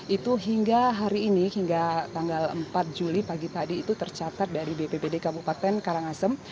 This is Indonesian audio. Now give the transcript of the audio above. itu hingga hari ini hingga tanggal empat juli pagi tadi itu tercatat dari bppd kabupaten karangasem